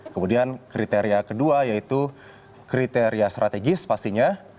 kemudian kriteria kedua yaitu kriteria strategis pastinya